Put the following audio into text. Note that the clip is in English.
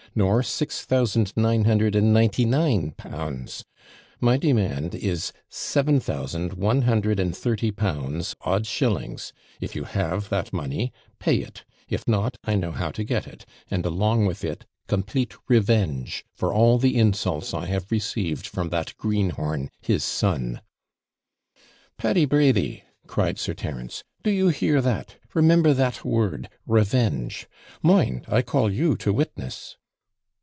nor six thousand nine hundred and ninety nine pounds. My demand is L7130, odd shillings: if you have that money, pay it; if not, I know how to get it, and along with it complete revenge for all the insults I have received from that greenhorn, his son.' 'Paddy Brady!' cried Sir Terence, 'do you hear that? Remember that word, REVENGE! Mind, I call you to witness!'